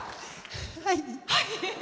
はい。